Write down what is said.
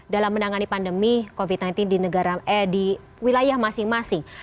dalam menangani pandemi covid sembilan belas di negara eh di wilayah masing masing